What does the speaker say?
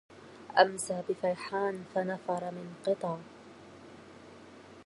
أمسى بفيحان فنفر من قطا